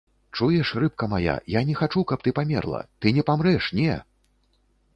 Чуеш, рыбка мая, я не хачу, каб ты памерла, ты не памрэш, не!